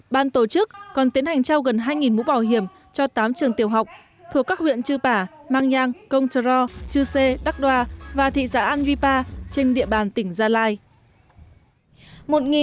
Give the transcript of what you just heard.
ban tổ chức còn tiến hành trao gần hai mũ bảo hiểm cho tám trường tiểu học thuộc các huyện chư bả mang nhang công trò chư sê đắc đoa và thị giã an vy pa trên địa bàn tỉnh gia lai